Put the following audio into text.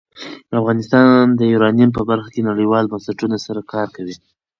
افغانستان د یورانیم په برخه کې نړیوالو بنسټونو سره کار کوي.